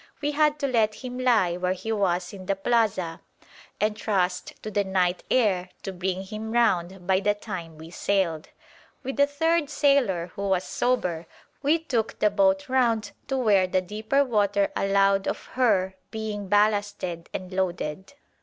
We had to let him lie where he was in the plaza and trust to the night air to bring him round by the time we sailed. With the third sailor, who was sober, we took the boat round to where the deeper water allowed of her being ballasted and loaded.